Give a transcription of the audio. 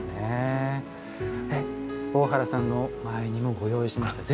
大原さんの前にもご用意しました。